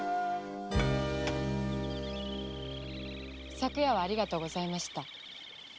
昨夜はありがとうございました。